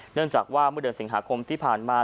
เนื่องจากว่าเมื่อเดือนสิงหาคมที่ผ่านมา